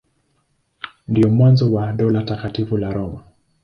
Ndio mwanzo wa Dola Takatifu la Roma.